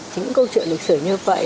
chính câu chuyện lịch sử như vậy